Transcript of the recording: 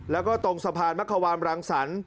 แล้วก็ตรงสะพานมะขวามรังสรรค์